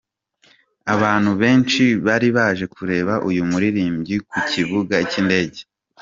Abantu benshi bari baje kureba Uyu muririmbyi ku Kibuga cy'indege.